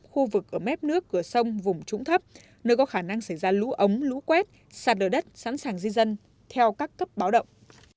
khu vực ở mép nước cửa sông vùng trũng thấp nơi có khả năng xảy ra lũ ống lũ quét sạt đờ đất sẵn sàng di dân theo các cấp báo động